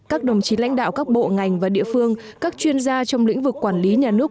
các đồng chí lãnh đạo các bộ ngành và địa phương các chuyên gia trong lĩnh vực quản lý nhà nước